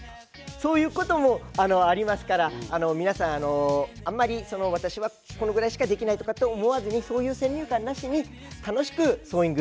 そういうこともありますから皆さんあんまり私はこのぐらいしかできないとかって思わずにそういう先入観なしに楽しくソーイング。